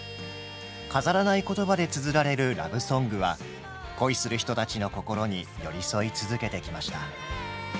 飾らない言葉でつづられるラブソングは恋する人たちの心に寄り添い続けてきました。